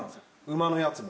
馬のやつも？